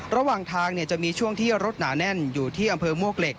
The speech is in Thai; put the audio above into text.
ระหว่างทางจะมีช่วงที่รถหนาแน่นอยู่ที่อำเภอมวกเหล็ก